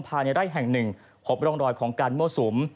ภายในไร่แห่งหนึ่งพบร่องรอยของการมั่วสุม